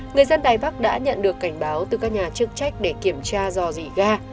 người dân đài bắc đã nhận được cảnh báo từ các nhà chức trách để kiểm tra dò dỉ ga